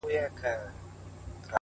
ستادی ‘ستادی’ستادی فريادي گلي’